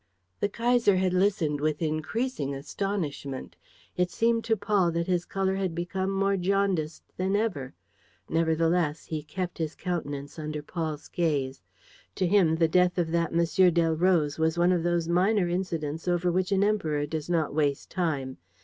The Kaiser had listened with increasing astonishment. It seemed to Paul that his color had become more jaundiced than ever. Nevertheless he kept his countenance under Paul's gaze. To him the death of that M. Delroze was one of those minor incidents over which an emperor does not waste time.